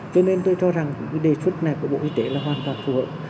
cho nên tôi cho rằng cái đề xuất này của bộ y tế là hoàn toàn phù hợp